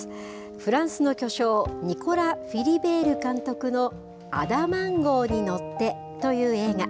フランスの巨匠、ニコラ・フィリベール監督のアダマン号に乗ってという映画。